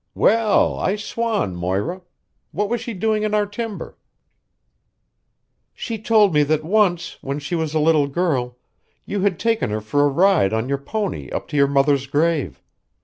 "Well, I swan, Moira! What was she doing in our timber?" "She told me that once, when she was a little girl, you had taken her for a ride on your pony up to your mother's grave.